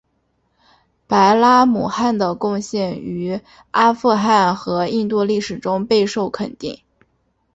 白拉姆汗的贡献于阿富汗和印度历史中备受肯定。